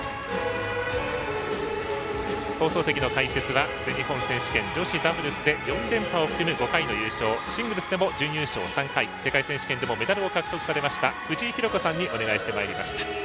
放送席の解説は全日本選手権女子ダブルスで４連覇を含む５回の優勝シングルスでも準優勝３回世界選手権でもメダルを獲得されました藤井寛子さんにお願いしてまいりました。